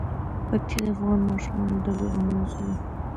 پکتیا د افغان ماشومانو د لوبو موضوع ده.